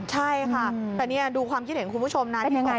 ใช่ค่ะแต่นี่ดูความคิดเห็นคุณผู้ชมนะ